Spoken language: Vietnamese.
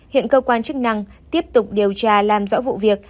hiện cơ quan chức năng tiếp tục điều tra làm rõ vụ việc